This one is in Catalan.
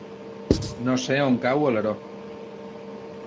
No sé on cau Alaró.